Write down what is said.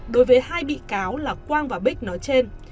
đối với hai bị cáo là quang và bích nói trên